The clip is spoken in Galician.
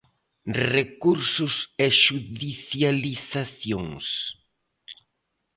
Recursos e xudicializacións.